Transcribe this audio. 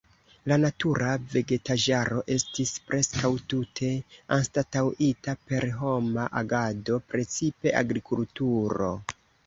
La natura vegetaĵaro estis preskaŭ tute anstataŭita per homa agado, precipe agrikulturo.